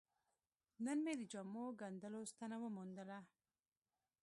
نن مې د جامو ګنډلو ستنه وموندله.